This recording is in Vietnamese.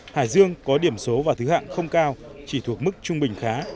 hải dương có điểm số và thứ hạng không cao chỉ thuộc mức trung bình khá